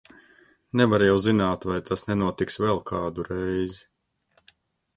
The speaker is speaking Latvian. Nevar jau zināt, vai tas nenotiks vēl kādu reizi!